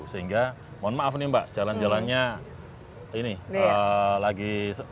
sehingga mohon maaf nih mbak jalan jalannya ini lagi